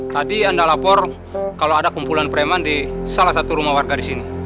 tadi anda lapor kalau ada kumpulan preman di salah satu rumah warga di sini